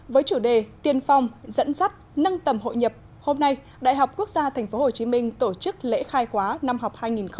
với chủ đề tiên phong dẫn dắt nâng tầm hội nhập hôm nay đại học quốc gia tp hcm tổ chức lễ khai khóa năm học hai nghìn hai mươi